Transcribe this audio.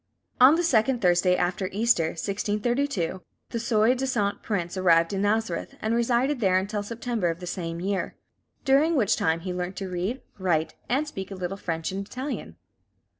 On the second Thursday after Easter, 1632, the soi disant prince arrived in Nazareth, and resided there until September of the same year; during which time he learnt to read, write, and speak a little French and Italian.